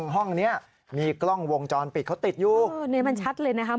ห้องนี้มีกล้องวงจรปิดเขาติดอยู่มันชัดเลยนะครับ